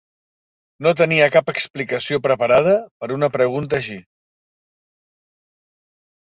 No tenia cap explicació preparada per a una pregunta així.